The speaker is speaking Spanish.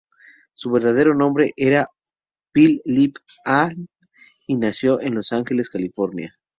Su verdadero nombre era Pil Lip Ahn, y nació en Los Ángeles, California.